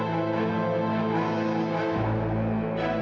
ayah akan menangkap ayah